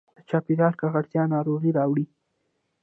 د چاپېریال ککړتیا ناروغي راوړي.